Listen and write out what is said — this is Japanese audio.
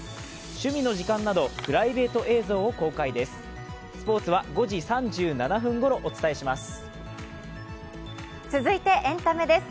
趣味の時間などプライベート時間などを公開です。